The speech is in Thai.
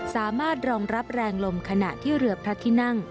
สามารถรองรับแรงลมขณะที่เรือพระที่นั่ง